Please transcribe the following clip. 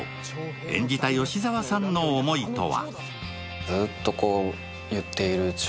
演じた吉沢さんの思いとは。